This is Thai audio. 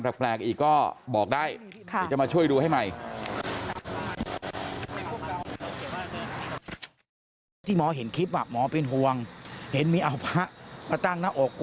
เพราะว่าเวลาน้องพูดอะไรอย่างนี้